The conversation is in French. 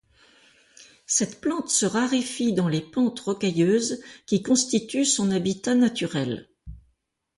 Cette plante se raréfie dans les pentes rocailleuses, qui constituent son habitat naturel.